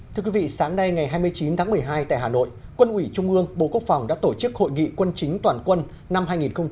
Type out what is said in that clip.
thưa quý vị sáng nay ngày hai mươi chín tháng một mươi hai tại hà nội quân ủy trung ương bộ quốc phòng đã tổ chức hội nghị quân chính toàn quân năm hai nghìn hai mươi